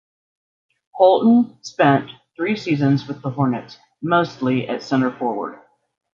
Holton spent three seasons with the Hornets, mostly at centre forward.